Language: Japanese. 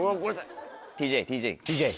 ＴＪＴＪ。